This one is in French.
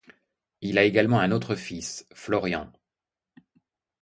Il a également un autre fils Florian.